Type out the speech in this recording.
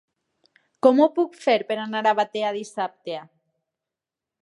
Com ho puc fer per anar a Batea dissabte?